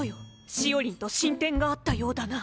しおりんと進展があったようだな。